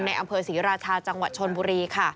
อำเภอศรีราชาจังหวัดชนบุรีค่ะ